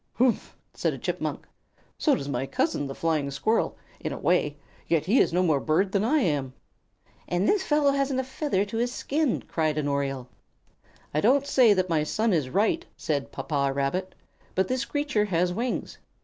"Humph!" said a Chipmunk. "So does my cousin, the Flying Squirrel, in a way, yet he is no more bird than I am." "And this fellow hasn't a feather to his skin!" cried an Oriole. "I don't say that my son is right," said Papa Rabbit, "but this creature has wings."